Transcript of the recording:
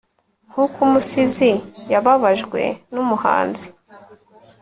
nkuko umusizi yababajwe numuhanzi